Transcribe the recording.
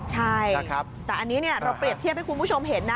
ใช่แต่อันนี้เราเปรียบเทียบให้คุณผู้ชมเห็นนะ